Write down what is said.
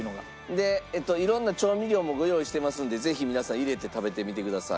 で色んな調味料もご用意してますんでぜひ皆さん入れて食べてみてください。